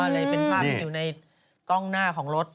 เลยเป็นภาพที่อยู่ในกล้องหน้าของรถ